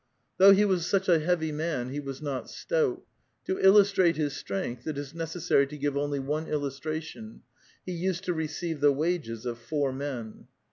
Though he was such a heavy man, he was not stout. To illustrate his strength it is necessary to give only one illus tration : he used to receive the wages of four men.